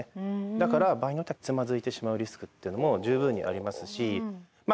だから場合によってはつまずいてしまうリスクっていうのも十分にありますしまあ